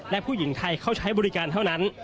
และผู้หญิงไทยเข้าใช้บริการเท่านั้น